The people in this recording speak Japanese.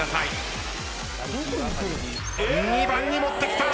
２番に持ってきた。